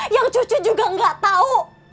yang cucu juga nggak tahu